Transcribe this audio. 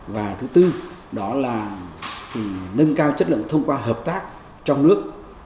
và thứ tư đó là nâng cao chất lượng thông qua hợp tác trong nước